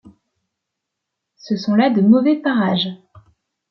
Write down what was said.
Ce sont là de mauvais parages.